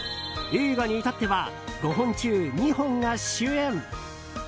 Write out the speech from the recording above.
映画に至っては５本中２本が主演。